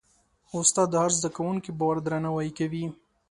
استاد د هر زده کوونکي باور درناوی کوي.